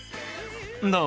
「どう？